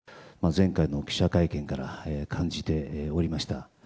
前回の記者会見から感じておりました。